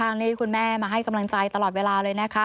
นี้คุณแม่มาให้กำลังใจตลอดเวลาเลยนะคะ